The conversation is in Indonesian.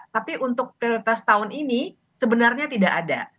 tapi untuk prioritas tahun ini sebenarnya tidak ada